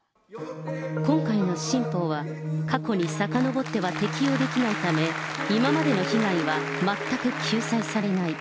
今回の新法は、過去にさかのぼっては適用できないため、今までの被害は全く救済されない。